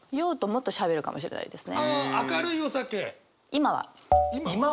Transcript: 「今は」？